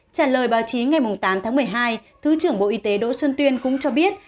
trả lời báo chí ngày tám tháng một mươi hai thứ trưởng bộ y tế đỗ xuân tuyên cũng cho biết